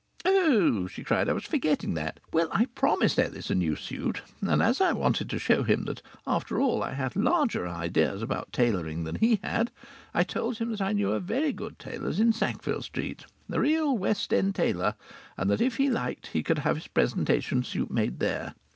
"Oh!" she cried, "I was forgetting that. Well, I promised Ellis a new suit. And as I wanted to show him that after all I had larger ideas about tailoring than he had, I told him I knew a very good tailor's in Sackville Street a real West End tailor and that if he liked he could have his presentation suit made there.